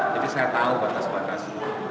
jadi saya tahu batas batas